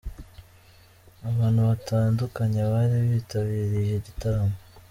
Abantu batandukanye bari bitabiriye iki gitaramo.